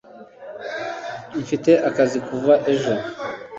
mfite akazi kuva ejo